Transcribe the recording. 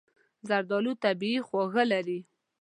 زردالو طبیعي خواږه لري.